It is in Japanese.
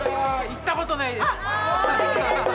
行ったことないです。